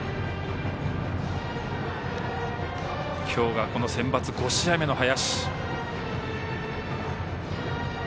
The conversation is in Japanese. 今日がセンバツ５試合目の林。